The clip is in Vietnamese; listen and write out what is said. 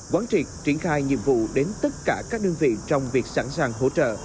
quán triệt triển khai nhiệm vụ đến tất cả các đơn vị trong việc sẵn sàng hỗ trợ